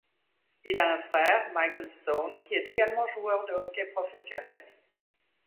Il a un frère, Michael Stone, qui est également joueur de hockey professionnel.